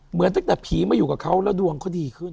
เหมือนตั้งแต่ผีมาอยู่กับเขาแล้วดวงเขาดีขึ้น